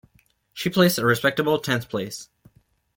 She placed a respectable tenth place.